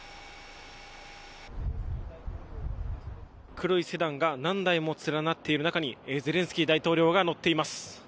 黒いセダンが何台も連なっている中にゼレンスキー大統領が乗っています。